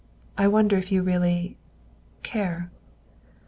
I wonder if you really care?"